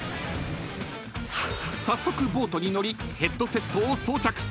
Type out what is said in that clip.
［早速ボートに乗りヘッドセットを装着］